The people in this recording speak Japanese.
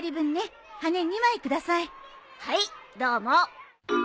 はいどうも。